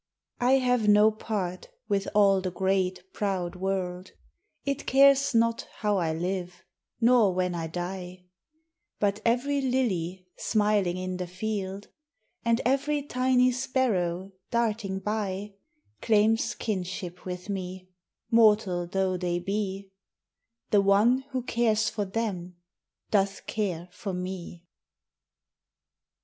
I HAVE no part with all the great, proud world: It cares not how I live, nor when I die; But every lily smiling in the field, And every tiny sparrow darting by, Claims kinship with me, mortal though they be, The One who cares for them doth care for me.